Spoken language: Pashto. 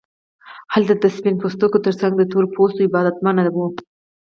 هلته د سپین پوستو ترڅنګ د تور پوستو عبادت منع و.